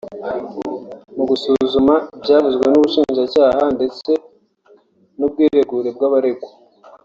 Mu gusuzuma ibyavuzwe n’Ubushinjacyaha ndetse n’ubwiregure bw’abaregwa